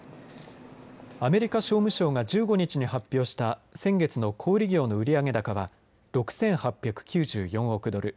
アメリカ商務省が１５日に発表した先月の小売業の売上高は６８９４億ドル。